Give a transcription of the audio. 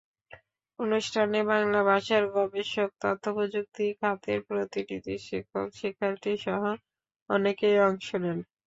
অনুষ্ঠানে বাংলা ভাষার গবেষক, তথ্যপ্রযুক্তি খাতের প্রতিনিধি, শিক্ষক, শিক্ষার্থীসহ অনেকেই অংশ নেন।